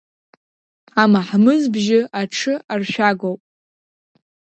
Амаҳмыз-бжьы аҽы аршәагоуп.